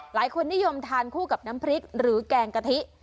หลายคนนิยมทานคู่กับน้ำพริกหรือแกงกะทิ